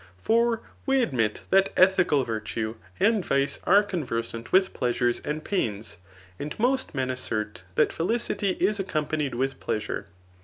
For we admit that ethical virtue and vice are conversant with pleasures and pains ; and most men assert that felicity is accom panied with pleasure.